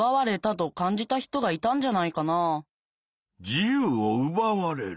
自由をうばわれる。